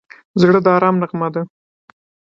زړه د ارام نغمه ده.